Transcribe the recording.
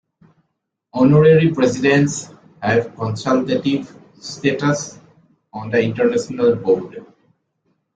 Honorary Presidents have consultative status on the International Board.